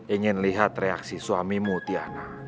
ingin lihat reaksi suamimu tiana